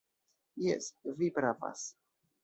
Jes, vi pravas.